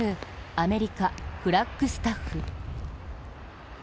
アメリカ・フラッグスタッフ。